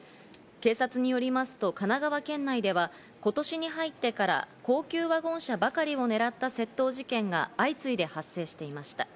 警察によりますと神奈川県内では今年に入ってから高級ワゴン車ばかりを狙った窃盗事件が相次いで発生していました。